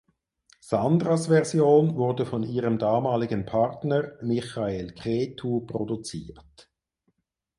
Sandras Version wurde von ihrem damaligen Partner Michael Cretu produziert.